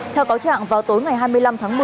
theo cáo trạng vào tối ngày hai mươi năm tháng một mươi